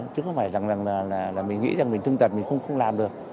chứ không phải là mình nghĩ mình thương tật mình không làm được